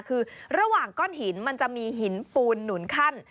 คือระหว่างก้อนหินมันจะมีหินปูนหนุนขั้น